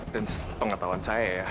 dan setengah tahun saya ya